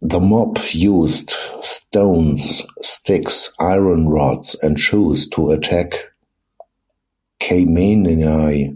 The mob used "stones, sticks, iron rods and shoes" to attack Khamenei.